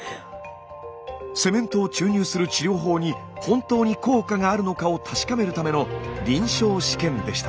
セメントを注入する治療法に本当に効果があるのかを確かめるための臨床試験でした。